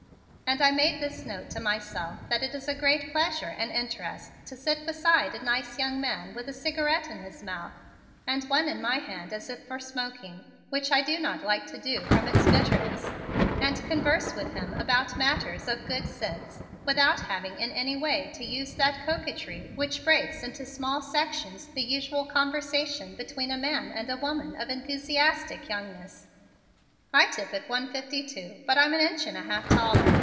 And I make this note to myself that it is a great pleasure and interest to sit beside a nice young man with a cigarette in his mouth and one in my hand as if for smoking, which I do not like to do from its bitterness, and converse with him about matters of good sense without having in any way to use that coquetry which breaks into small sections the usual conversation between a man and a woman of enthusiastic youngness. "I tip at one fifty two, but I'm an inch and a half taller.